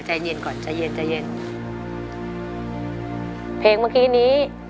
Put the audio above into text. ใจเย็นก่อนใจเย็นใจเย็นเพลงเมื่อกี้นี้